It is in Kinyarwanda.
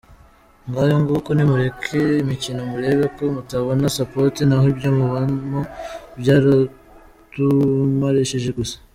ngayo nguko, nimureka imikino murebe ko mutabona support, naho ibyo mubamo byaratumarishije gusa!